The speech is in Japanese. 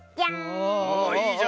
ああいいじゃん。